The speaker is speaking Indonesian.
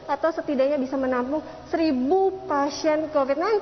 atau setidaknya bisa menampung seribu pasien covid sembilan belas